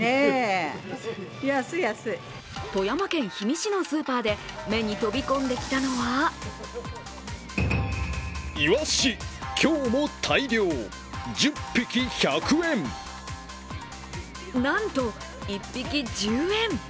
富山県氷見市のスーパーで目に飛び込んできたのはなんと１匹１０円！